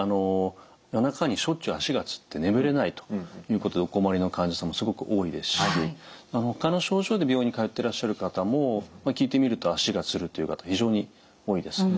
夜中にしょっちゅう足がつって眠れないということでお困りの患者さんもすごく多いですしほかの症状で病院に通ってらっしゃる方も聞いてみると足がつるっていう方非常に多いです。